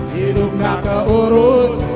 hidup gak keurus